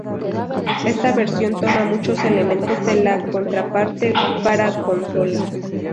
Esta versión toma muchos elementos de la contraparte para consola.